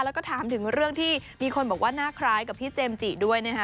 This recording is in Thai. แล้วก็ถามถึงเรื่องที่มีคนบอกว่าหน้าคล้ายกับพี่เจมส์จิด้วยนะฮะ